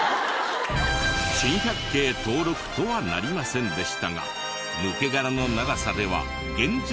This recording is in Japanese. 珍百景登録とはなりませんでしたが抜け殻の長さでは現状